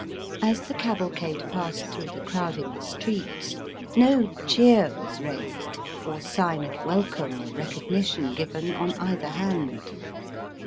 As the cavalcade passed through the crowd in the streets no cheer was raised or sign of welcome or recognition given on either hand.